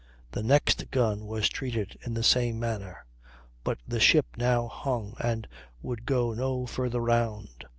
The next gun was treated in the same manner; but the ship now hung and would go no farther round.